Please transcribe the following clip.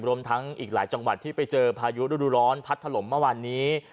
รวมทั้งอีกหลายจังหวัดที่ไปเจอพายุฤดูร้อนพัดถล่มเมื่อวานนี้